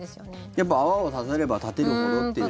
やっぱ泡を立てれば立てるほどっていう感じ？